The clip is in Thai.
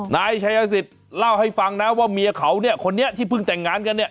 นายชัยสิทธิ์เล่าให้ฟังนะว่าเมียเขาเนี่ยคนนี้ที่เพิ่งแต่งงานกันเนี่ย